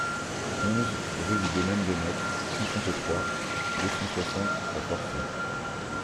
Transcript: onze rue du Domaine des Mottes, cinquante-trois, deux cent soixante à Forcé